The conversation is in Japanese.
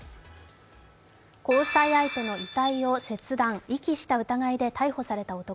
交際相手の遺体を切断、遺棄した疑いで逮捕された男。